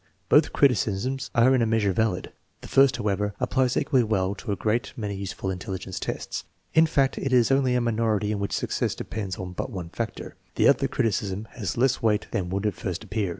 Both criticisms are in a measure valid. The first, how ever, applies equally well to a great many useful intelli gence tests. In fact, it is only a minority in which success depends on but one factor. The other criticism has less weight than would at first appear.